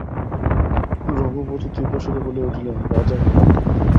রঘুপতি তীব্রস্বরে বলিয়া উঠিলেন, রাজা কে!